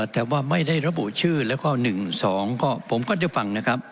แต่ว่าไม่ได้ระบุชื่อแล้วก็๑๒ก็ผมก็ได้ฟังนะครับ